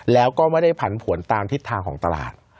แล้วก็ไม่ได้ผันผวนตามทิศทางของตลาด